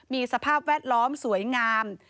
มีสภาพแวดล้อมสวยงาม